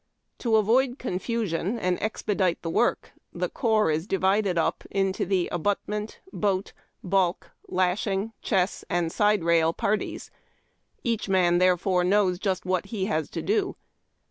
To avoid confusion and expedite the work, the corps is divided u[) into the abutment, boat, balk, lashing, chess, and side rail parties. Each man, therefore, knows just what he has to do.